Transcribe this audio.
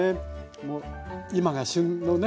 もう今が旬のね